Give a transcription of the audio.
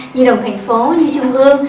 như đồng thành phố như trung ương